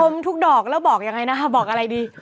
ทุกดอกแล้วบอกยังไงนะคะบอกอะไรดี